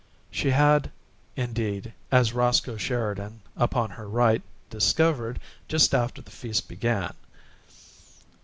She had, indeed, as Roscoe Sheridan, upon her right, discovered just after the feast began.